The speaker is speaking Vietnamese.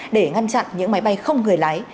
để ngăn chặn những máy bay không người lái